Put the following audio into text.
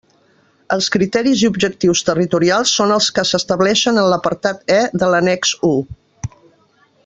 Els criteris i objectius territorials són els que s'estableixen en l'apartat E de l'annex I.